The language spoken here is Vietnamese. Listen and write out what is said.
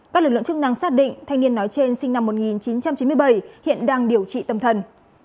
các lực lượng chức năng xác định thanh niên nói trên sinh năm một nghìn chín trăm chín mươi bảy hiện đang điều trị tâm thần